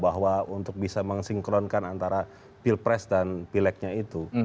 bahwa untuk bisa mengsinkronkan antara pilpres dan pileknya itu